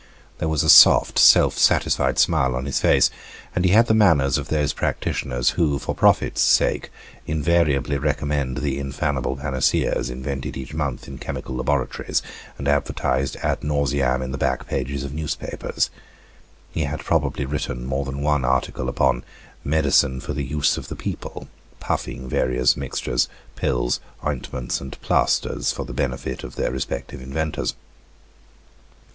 There was a soft self satisfied smile on his face, and he had the manners of those practitioners who, for profit's sake, invariably recommend the infallible panaceas invented each month in chemical laboratories and advertised ad nauseam in the back pages of newspapers. He had probably written more than one article upon "Medicine for the use of the people"; puffing various mixtures, pills, ointments, and plasters for the benefit of their respective inventors.